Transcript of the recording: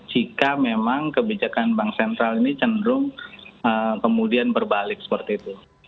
jika memang kebijakan bank sentral ini cenderung kemudian berbalik seperti itu